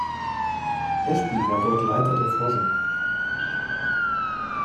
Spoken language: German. Ashby war dort Leiter der Forschung.